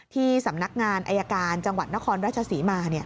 ที่สำนักงานอายการจังหวัดนครราชศรีมา